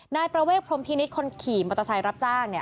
นายประเวทพรมพินิษฐ์คนขี่มอเตอร์ไซค์รับจ้าง